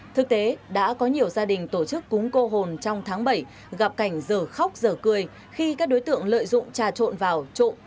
thực tế đã có nhiều gia đình tổ chức cúng cô hồn trong tháng bảy gặp cảnh giờ khóc giờ cười khi các đối tượng lợi dụng trà trộn vào